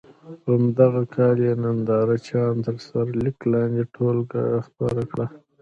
په همدغه کال یې ننداره چیان تر سرلیک لاندې ټولګه خپره کړه.